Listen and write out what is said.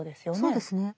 そうですね。